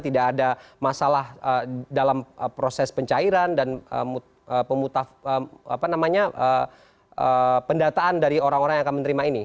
tidak ada masalah dalam proses pencairan dan pemutaan dari orang orang yang akan menerima ini